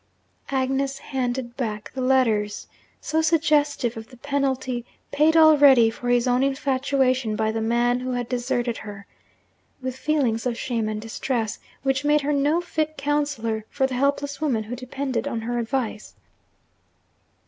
Agnes handed back the letters so suggestive of the penalty paid already for his own infatuation by the man who had deserted her! with feelings of shame and distress, which made her no fit counsellor for the helpless woman who depended on her advice.